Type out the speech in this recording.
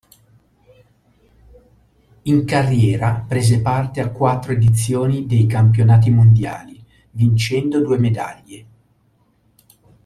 In carriera prese parte a quattro edizioni dei Campionati mondiali, vincendo due medaglie.